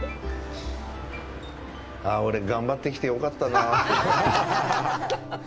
あ、俺、頑張ってきてよかったなあ。